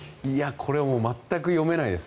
これは全く読めないです。